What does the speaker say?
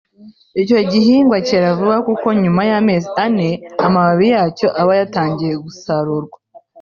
Icyo gihingwa cyera vuba kuko nyuma y’amezi ane amababi yacyo aba yatangiye gusarurwa